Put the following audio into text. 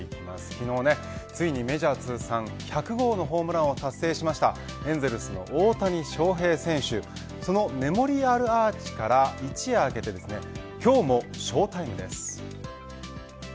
昨日、ついにメジャー通算１００号のホームランを達成しましたエンゼルスの大谷翔平選手そのメモリアルアーチから一夜明けて今日もショータイムです。